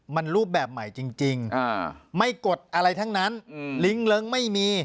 มันรูปแบบใหม่จริงไม่กดอะไรทั้งนั้นลิ้งเลิ้งไม่มี